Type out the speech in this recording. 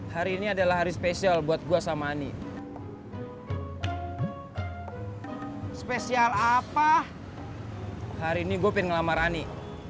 hari ini adalah hari spesial buat gue sama ani